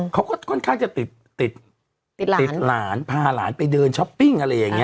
เขาก็ค่อนข้างจะติดติดหลานพาหลานไปเดินช้อปปิ้งอะไรอย่างนี้